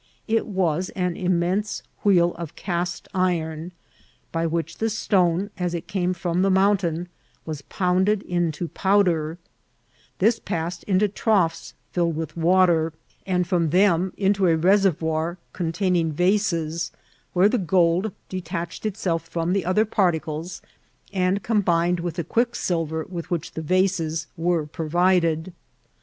It was an immense wheel of cast iron, by which the stone, as it came from the mount ain, was pounded into powder ; this passed into trou{^ filled with water, and from them into a reservoir con* taining vases, where the gold detached itself from the other particles, and combined with the quicksilver with which the vases were provided.